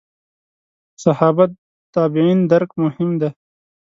صحابه تابعین درک مهم دي.